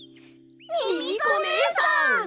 ミミコねえさん！